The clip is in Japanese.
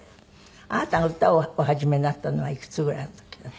あなたが歌をお始めになったのはいくつぐらいの時なの？